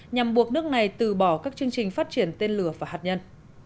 nhằm buộc nước này từ bỏ các chương trình phát triển tên lửa và hạt nhân